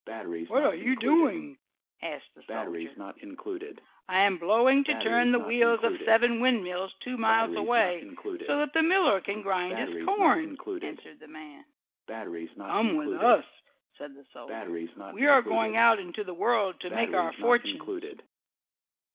"What are you doing?" asked the soldier. "I am blowing to turn the wheels of seven windmills two miles away, so that the miller can grind his corn," answered the man. "Come with us," said the soldier. "We are going out into the world to make our fortunes."